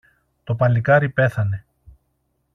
Το παλικάρι πέθανε.